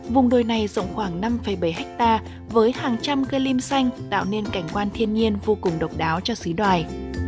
vùng đồi này rộng khoảng năm bảy hectare với hàng trăm cây lim xanh tạo nên cảnh quan thiên nhiên vô cùng độc đáo cho sứ đoài